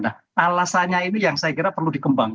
nah alasannya ini yang saya kira perlu dikembangkan